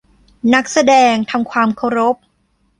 นักแสดงทำความเคารพ !